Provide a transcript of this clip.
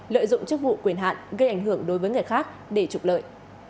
lợi dụng chức vụ quyền hạn gây ảnh hưởng đối với người khác để trục lợi